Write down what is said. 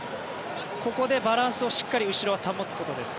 ここでバランスをしっかり後ろは保つことです。